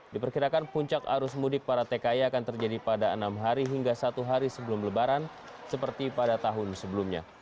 diperkirakan puncak arus mudik para tki akan terjadi pada enam hari hingga satu hari sebelum lebaran seperti pada tahun sebelumnya